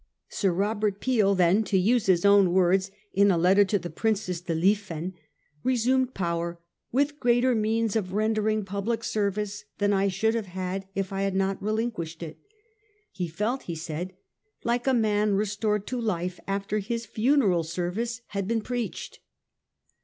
Sir Robert Peel then, to use his own words in a letter to the Princess de Lieven, resumed power ' with greater means of rendering public service than I should have had if I had not relinquished it.' He felt, he said, ' like a man restored to life after Ms 'funeral service had been preached.